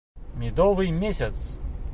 Медовый месяц!